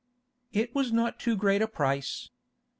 It was not too great a price.